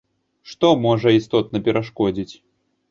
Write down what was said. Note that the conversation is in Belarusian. Што можа істотна перашкодзіць?